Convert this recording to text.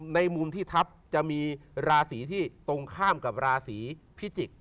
ในมุมที่ทัพจะมีราศีที่ตรงข้ามกับราศีพิจิกษ์